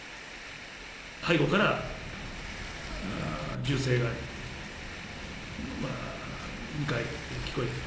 背後から銃声が２回聞こえた。